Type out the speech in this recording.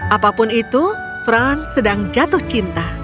apapun itu fran sedang jatuh cinta